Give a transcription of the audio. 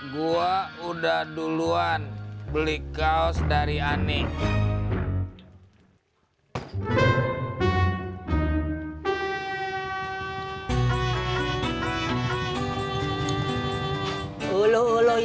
gue udah duluan beli kaos dari ani